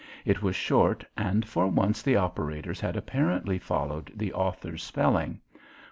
It was short and for once the operators had apparently followed the author's spelling.